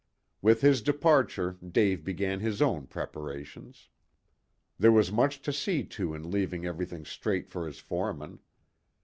With his departure Dave began his own preparations. There was much to see to in leaving everything straight for his foremen.